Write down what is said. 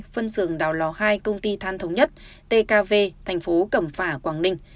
phân xưởng đào lò hai công ty than thống nhất tkv thành phố cẩm phả quảng ninh